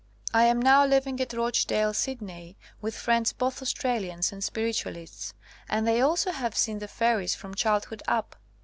I am now living at Rochdale, Sydney, with friends both Australians and Spiritualists, and they also have seen the fairies from childhood up.